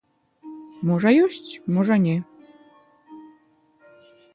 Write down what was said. Можа, ёсць, можа, не.